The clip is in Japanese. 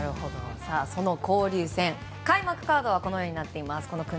その交流戦開幕カードはこのようになっています。